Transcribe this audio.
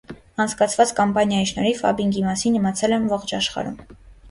Անցկացված կամպանիայի շնորհիվ ֆաբինգի մասին իմացել են ողջ աշխարհում։